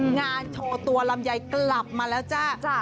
งานโชว์ตัวลำไยกลับมาแล้วจ้า